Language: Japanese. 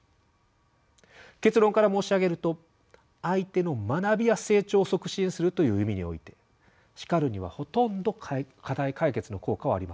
結論から申し上げると「相手の学びや成長を促進する」という意味において叱るにはほとんど課題解決の効果はありません。